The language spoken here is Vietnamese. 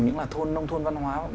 những là thôn nông thôn văn hóa